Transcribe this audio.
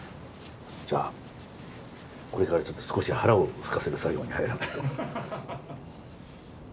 じゃあこれからちょっと少し腹をすかせる作業に入らないと。